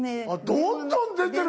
どんどん出てる。